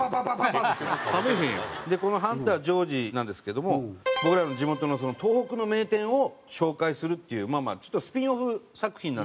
このハンター錠二なんですけども僕らの地元の東北の名店を紹介するっていうまあまあちょっとスピンオフ作品なんですけど。